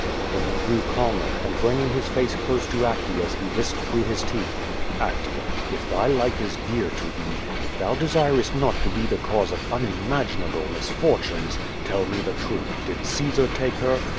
Then he grew calmer, and, bringing his face close to Ac tea's, he hissed through his teeth: "Actea — ^if thy life is dear to thee, if thou desirest not to be the cause of unimaginable misfortunes, tell me the truth: did Caesar take her?"